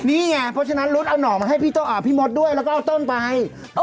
นี่ไงเพราะฉะนั้นรุดเอาห่อมาให้พี่มดด้วยแล้วก็เอาต้นไป